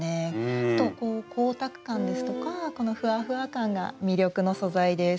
あと光沢感ですとかこのフワフワ感が魅力の素材です。